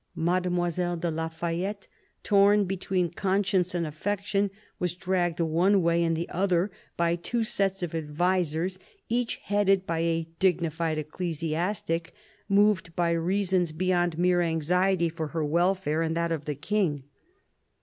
Mademoiselle de la Fayette, torn between conscience and affection, was dragged one way and the other by two sets of advisers, each headed by a dignified ecclesiastic moved by reasons beyond mere anxiety for her welfare and that of the King.